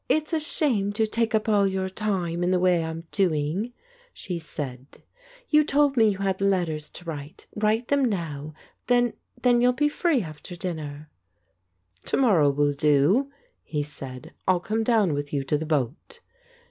"It's a shame to take up all your time in the way I'm doing," she said. "You told me you had letters to write. Write them now; then — then you'll be free after dinner." "To morrow will do," he said. "I'll come down with you to the boat."